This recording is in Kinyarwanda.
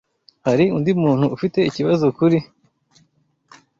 Hari undi muntu ufite ikibazo kuri ibyo?